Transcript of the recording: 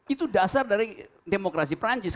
itu dasar dari demokrasi perancis